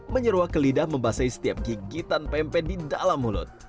menyeruak ke lidah membasahi setiap gigitan pempek di dalam mulut